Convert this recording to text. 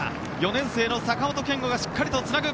４年生の坂本健悟がしっかりつなぐ。